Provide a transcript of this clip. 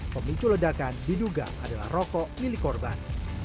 pemicu ledakan diduga adalah rokok milik korban